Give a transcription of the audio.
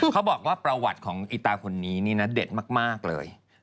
เขาบอกว่าประวัติของอีตาคนนี้นี่นะเด็ดมากเลย